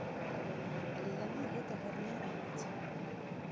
Але яны гэтага не робяць.